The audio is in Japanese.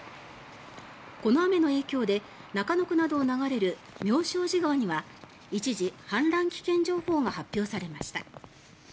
この雨の影響で中野区などを流れる妙正寺川には一時、氾濫危険情報が発表されました。